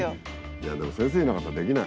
いやでも先生いなかったらできない。